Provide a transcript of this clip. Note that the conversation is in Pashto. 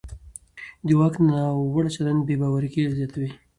د واک ناوړه چلند بې باوري زیاتوي